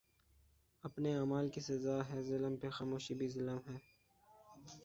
اپنے اعمال کی سزا ہے ظلم پہ خاموشی بھی ظلم ہے